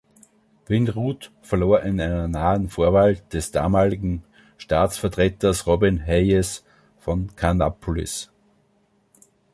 Vinroot verlor in einer nahen Vorwahl des damaligen Staatsvertreters Robin Hayes von Kannapolis.